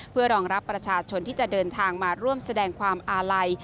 เพื่อรองรับประชาชนที่จะเดินทางมาร่วมแสดงความอาลัย